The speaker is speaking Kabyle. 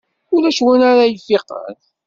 Ulac win ara ifiqen.